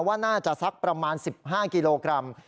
ว่าน่าจะสักประมาณ๑๕กิโลกรัม